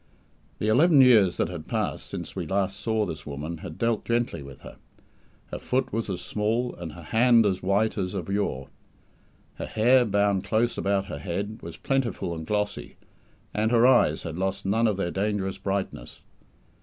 The eleven years that had passed since we last saw this woman had dealt gently with her. Her foot was as small and her hand as white as of yore. Her hair, bound close about her head, was plentiful and glossy, and her eyes had lost none of their dangerous brightness.